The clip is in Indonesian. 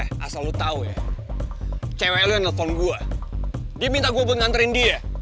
eh asal lo tau ya cewe lo yang nelfon gue dia minta gue buat ngantriin dia